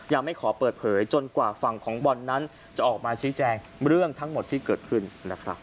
ยังไม่ขอเปิดเผยจนกว่าฝั่งของบอลนั้นจะออกมาชี้แจงเรื่องทั้งหมดที่เกิดขึ้นนะครับ